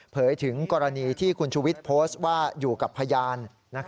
ถึงกรณีที่คุณชูวิทย์โพสต์ว่าอยู่กับพยาน